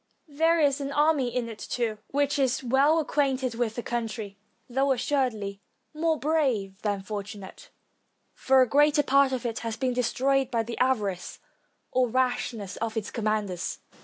There is an army in it, too, which is well acquainted with the country, though, assuredly, more brave than fortu nate, for a great part of it has been destroyed by the avarice or rashness of its commanders.